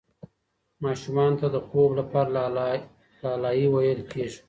ماشومانو ته د خوب لپاره لالايي ویل کېږي.